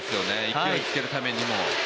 勢いつけるためにも。